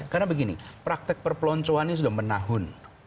karena begini praktek perpeloncoannya sudah menahun